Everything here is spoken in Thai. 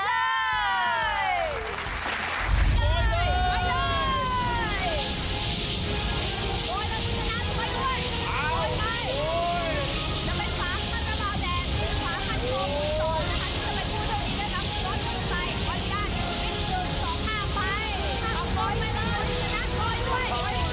ว้าวอ๋อโอ้ยยยเป็นไงเนี่ย